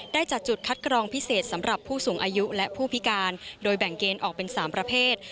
ได้จัดจุดคัดกรองพิเศษสำหรับผู้สูงอายุและผู้พิการโดยแบ่งเกณฑ์ออกเป็น๓ประเภท